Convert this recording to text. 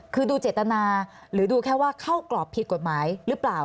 คือดูเจตนาหรือดูแค่ว่าเข้ากรอบผิดกฎหมายหรือเปล่า